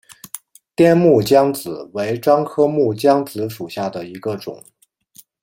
滇木姜子为樟科木姜子属下的一个种。